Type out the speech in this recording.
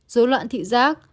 dối loạn thị giác